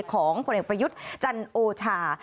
ของผลเอกประยุทธจันทร์โอชา